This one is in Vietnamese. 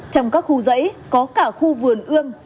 trong các khu dãy có cả khu vườn ươm